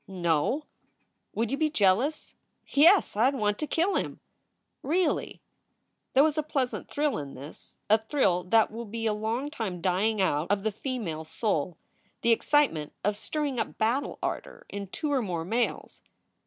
"No." "Would you be jealous?" "Yes! I d want to kill him." "Really?" There was a pleasant thrill in this a thrill that will be a long time dying out of the female soul, the excitement of stirring up battle ardor in two or more males.